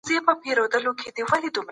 ډاکتران د هغوی حالت څاري.